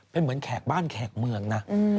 เป็นเหมือนแขกบ้านแขกเมืองนะ